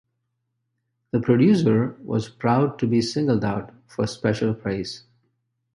The producer was proud to be singled out for special praise.